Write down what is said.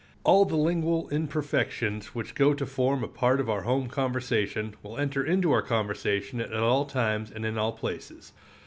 All the lingual imperfections which go to form a part of our home conversation will enter into our conversation at all times and in all places.